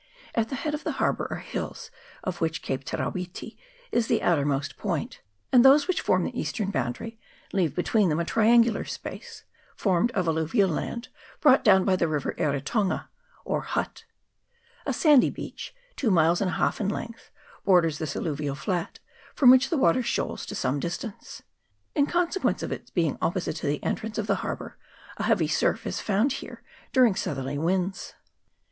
At the head of the harbour the hills CHAP. III.] PORT NICHOLSON. 69 of which Cape Te ra witi is the outermost point, and those which form the eastern boundary, leave between them a triangular space, formed of alluvial land brought down by the river Eritonga, or Hutt. A sandy beach, two miles and a half in length, borders this alluvial flat, from which the water shoals to some distance. In consequence of its be ing opposite to the entrance of the harbour, a heavy surf is found here during southerly winds.